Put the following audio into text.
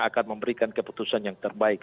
akan memberikan keputusan yang terbaik